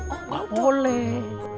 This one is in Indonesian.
oh gak boleh